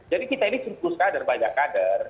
jadi kita ini suruh puskader banyak kader